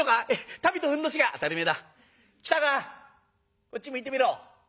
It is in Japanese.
こっち向いてみろ。